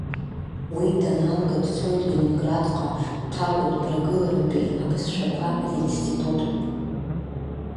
Уи даналга, дцоит Ленинградҟа, дҭалоит Мрагыларатәи абызшәақәа ринститут…